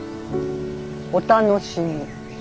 お楽しみ。